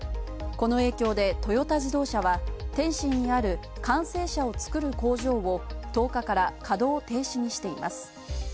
この影響でトヨタ自動車は、天津にある完成車を作る工場を１０日から稼働停止にしています。